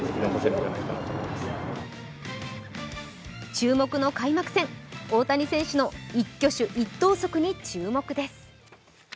注目の開幕戦大谷選手の一挙手一投足に注目です。